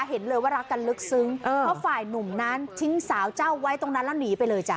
เห็นเลยว่ารักกันลึกซึ้งเพราะฝ่ายหนุ่มนั้นทิ้งสาวเจ้าไว้ตรงนั้นแล้วหนีไปเลยจ้ะ